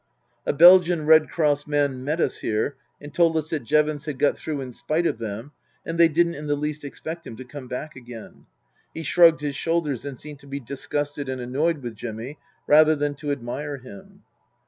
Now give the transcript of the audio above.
A Belgian Red Cross man met us here and told us that Jevons had got through in spite of them, and they didn't in the least expect him to come back again. He shrugged his shoulders and seemed to be disgusted and annoyed with Jimmy rather than to admire him.